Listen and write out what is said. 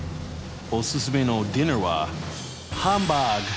おすすめのディナーはハンバーグ！